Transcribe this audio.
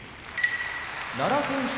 奈良県出